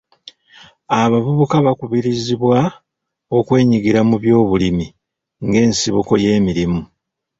Abavubuka bakubirizibwa okwenyigira mu byobulimi ng'ensibuko y'emirimu.